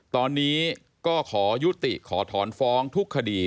ตอนนี้ก็ขอยุติขอถอนฟ้องทุกคดี